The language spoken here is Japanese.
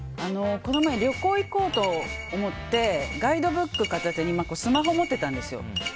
この前、旅行行こうと思ってガイドブック片手にスマホを持っていたんですよ。